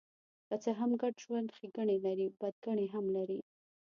که څه هم ګډ ژوند ښېګڼې لري، بدګڼې هم لري.